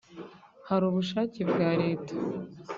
hari ubushake bwa leta